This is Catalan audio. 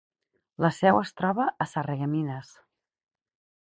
La seu es troba a Sarreguemines.